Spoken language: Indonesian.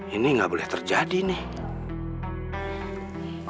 ini nggak boleh terjadi nih